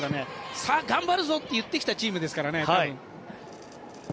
さあ、頑張るぞと言ってきたチームですからね。